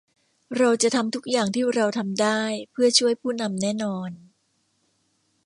เราจะทำทุกอย่างที่เราทำได้เพื่อช่วยผู้นำแน่นอน